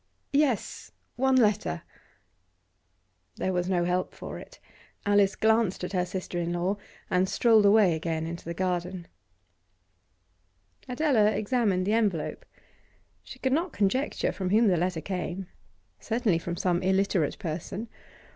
'Yes, one letter.' There was no help for it. Alice glanced at her sister in law, and strolled away again into the garden. Adela examined the envelope. She could not conjecture from whom the letter came; certainly from some illiterate person.